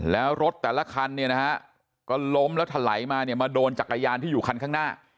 แล้วรถแต่ละคันก็ล้มแล้วถลายมามาโดนจักรยานที่อยู่คันข้างหน้า